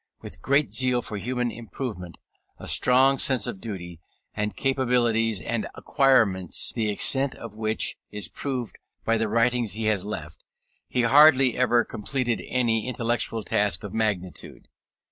With great zeal for human improvement, a strong sense of duty, and capacities and acquirements the extent of which is proved by the writings he has left, he hardly ever completed any intellectual task of magnitude.